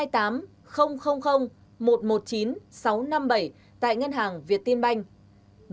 một trăm hai mươi tám một trăm một mươi chín sáu trăm năm mươi bảy tại ngân hàng việt tiên banh